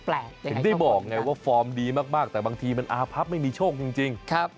ถึงได้บอกไงว่าฟอร์มดีมากแต่บางทีมันอาพับไม่มีโชคจริง